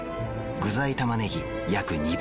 具材たまねぎ約２倍。